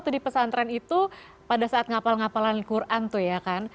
di pesantren itu pada saat ngapal ngapalan quran tuh ya kan